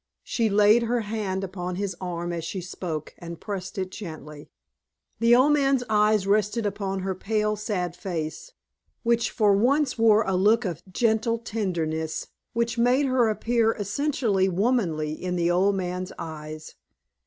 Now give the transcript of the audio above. She laid her hand upon his arm as she spoke, and pressed it gently. The old man's eyes rested upon her pale, sad face, which for once wore a look of gentle tenderness, which made her appear essentially womanly in the old man's eyes.